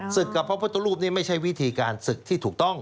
กับพระพุทธรูปนี่ไม่ใช่วิธีการศึกที่ถูกต้อง